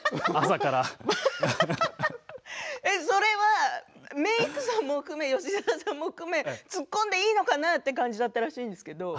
それはメークさんも含め吉沢さんも含め突っ込んでいいのかな？という感じだったらしいんですけれども。